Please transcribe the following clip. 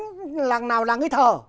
chống làng nào làng ấy thờ